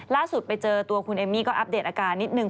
ล่าสุดไปเจอตัวคุณเอมมี่ก็อัปเดตอาการนิดนึง